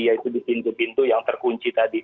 yaitu di pintu pintu yang terkunci tadi